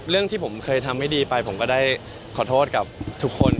เรื่องที่ผมเคยทำไม่ดีไปผมก็ได้ขอโทษกับทุกคน